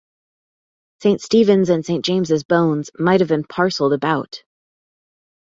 St. Stephen's and St. James's bones might have been parcelled about.